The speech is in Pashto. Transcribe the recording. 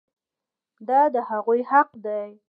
دا د هغوی حق دی.